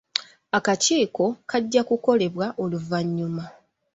Akakiiko kajja kukolebwa oluvannyuma.